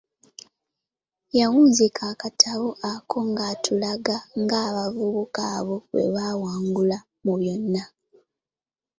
Yawunzika akatabo ako ng'atulaga ng'abavubuka abo bwebawangula mu byonna.